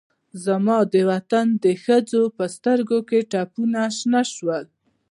زما دوطن د ښځوسترګوکې ټپونه شنه شوه